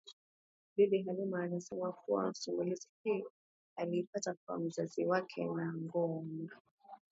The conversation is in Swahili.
Bibi Halima anasema kuwa simulizi hii aliipata kwa mzazi wake Nganoga